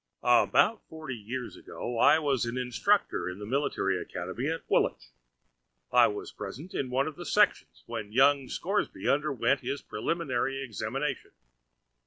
About forty years ago I was an instructor in the military academy at Woolwich. I was present in one of the sections when young Scoresby underwent his preliminary examination.